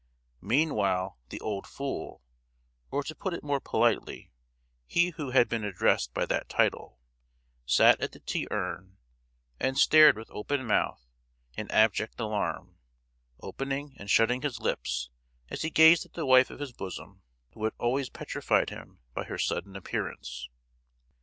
Meanwhile the "old fool," or to put it more politely, he who had been addressed by that title, sat at the tea urn, and stared with open mouth, in abject alarm, opening and shutting his lips as he gazed at the wife of his bosom, who had almost petrified him by her sudden appearance.